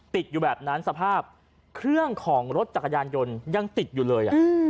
ติดอยู่แบบนั้นสภาพเครื่องของรถจักรยานยนต์ยังติดอยู่เลย